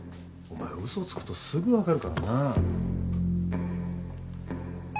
お前は嘘つくとすぐわかるからな。